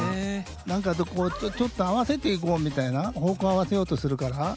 何かこうちょっと合わせていこうみたいな方向合わせようとするから。